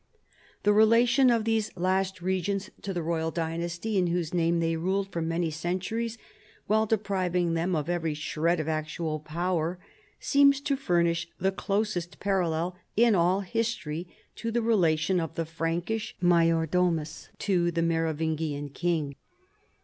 The relation of these last regents to the royal d^masty in whose name they ruled for many centuries, while depriving them of every shred of actual power, seems to furnish the closest parallel in all history to the relation of the Frankish major domus to the Merovingian king.